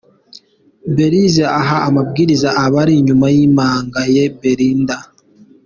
Belise aha amabwiriza abari inyuma y'impanga ye Belinda.